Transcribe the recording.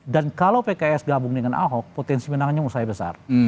dan kalau pks gabung dengan ahok potensi menangannya mulai besar